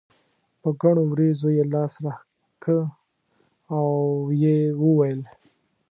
په ګڼو وريځو یې لاس راښکه او یې وویل.